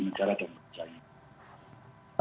negara dan pemerintah